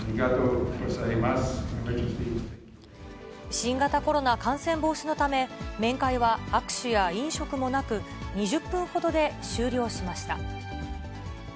新型コロナ感染防止のため、面会は握手や飲食もなく、２０分ほどで終了しました。